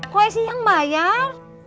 koe sih yang bayar